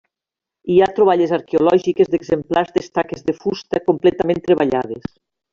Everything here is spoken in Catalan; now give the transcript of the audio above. Hi ha troballes arqueològiques d'exemplars d'estaques de fusta completament treballades.